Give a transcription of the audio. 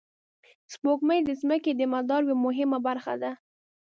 سپوږمۍ د ځمکې د مدار یوه مهمه برخه ده